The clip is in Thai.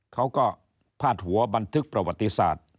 เขาก็พาดหัวบันทึกประวัติศาสตร์